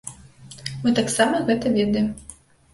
Мы таксама гэта ведаем.